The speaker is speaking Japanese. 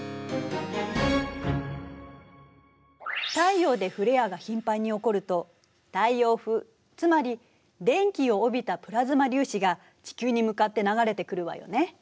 太陽でフレアが頻繁に起こると太陽風つまり電気を帯びたプラズマ粒子が地球に向かって流れてくるわよね。